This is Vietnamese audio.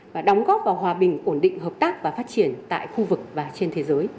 và đóng góp vào hòa bình ổn định hợp tác và phát triển